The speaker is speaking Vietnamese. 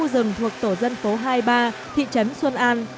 khu rừng thuộc tổ dân phố hai mươi ba thị trấn xuân an